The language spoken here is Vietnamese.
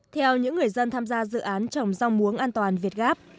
theo những người dân tham gia dự án trồng rau muống an toàn việt gáp